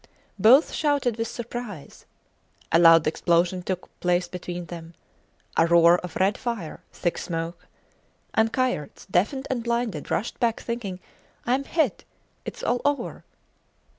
Both shouted with surprise. A loud explosion took place between them; a roar of red fire, thick smoke; and Kayerts, deafened and blinded, rushed back thinking: I am hit its all over.